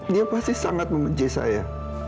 dia pasti sangat memuji saya